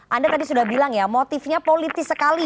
anda tadi sudah bilang ya motifnya politis sekali